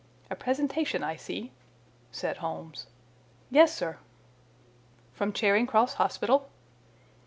"A presentation, I see," said Holmes. "Yes, sir." "From Charing Cross Hospital?"